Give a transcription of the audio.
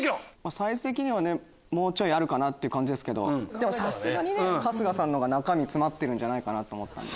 サイズ的にはもうちょいあるかなって感じですけどさすがに春日さんのほうが中身詰まってると思ったんで。